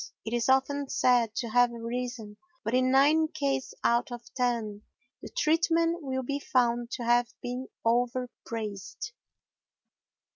It is often said to have arisen, but in nine cases out of ten the treatment will be found to have been overpraised.